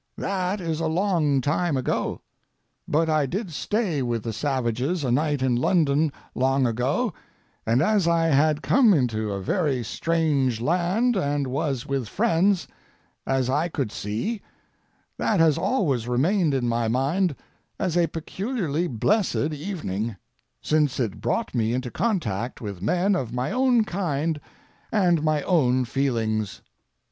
That is a long time ago. But I did stay with the Savages a night in London long ago, and as I had come into a very strange land, and was with friends, as I could see, that has always remained in my mind as a peculiarly blessed evening, since it brought me into contact with men of my own kind and my own feelings.